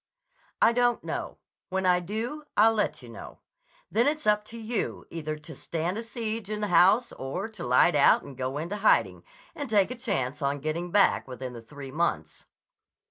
"I don't know. When I do I'll let you know. Then it's up to you either to stand a siege in the house or to light out and go into hiding, and take a chance on getting back within the three months."